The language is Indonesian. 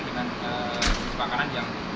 dengan makanan yang